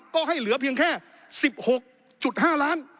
ก็ให้เหลือแค่๑๖๕ล้าน